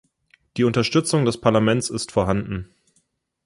Die Unterstützung des Parlaments ist vorhanden.